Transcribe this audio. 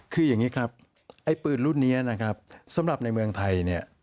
คืออย่างนี้ครับไอ้ปืนรุ่นนี้นะครับสำหรับในเมืองไทยเนี่ย